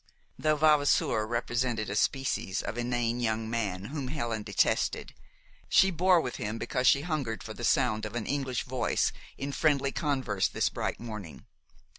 Though Vavasour represented a species of inane young man whom Helen detested, she bore with him because she hungered for the sound of an English voice in friendly converse this bright morning.